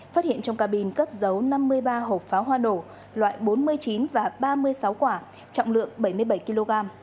phát hiện trong cabin cất dấu năm mươi ba hộp pháo hoa nổ loại bốn mươi chín và ba mươi sáu quả trọng lượng bảy mươi bảy kg